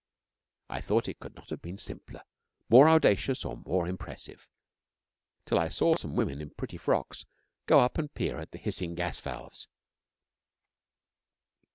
I thought it could not have been simpler, more audacious or more impressive, till I saw some women in pretty frocks go up and peer at the hissing gas valves.